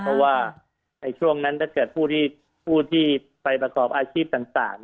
เพราะว่าในช่วงนั้นถ้าเกิดผู้ที่ไปประกอบอาชีพต่าง